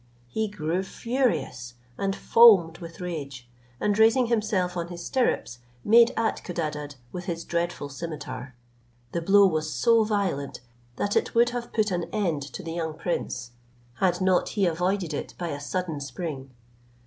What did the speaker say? He grew furious and foamed with rage, and raising himself on his stirrups, made at Codadad with his dreadful scimitar. The blow was so violent, that it would have put an end to the young prince, had not he avoided it by a sudden spring.